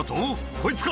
こいつか」